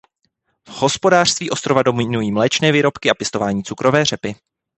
V hospodářství ostrova dominují mléčné výrobky a pěstování cukrové řepy.